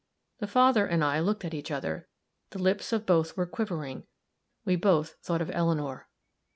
The father and I looked at each other; the lips of both were quivering; we both thought of Eleanor.